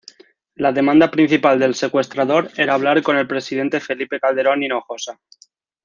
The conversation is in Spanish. La demanda principal del secuestrador era hablar con el presidente Felipe Calderón Hinojosa.